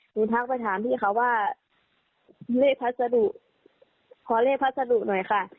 ทักไปถามพี่เขาว่าเลขพัสดุขอเลขพัสดุหน่อยค่ะ